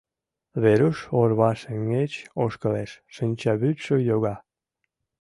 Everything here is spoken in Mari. Веруш орва шеҥгеч ошкылеш, шинчавӱдшӧ йога...